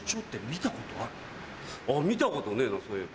見たことねえなそういえば。